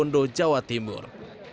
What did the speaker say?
pondo jawa timur